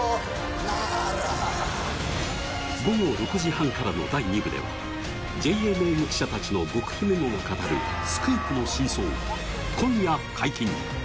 午後６時半からの第２部ではＪＮＮ記者たちの極秘メモが語るスクープの真相、今夜解禁。